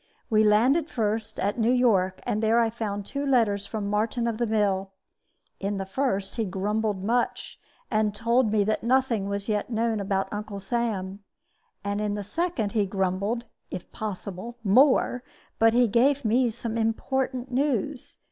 We landed first at New York, and there I found two letters from Martin of the Mill. In the first he grumbled much, and told me that nothing was yet known about Uncle Sam; in the second he grumbled (if possible) more, but gave me some important news.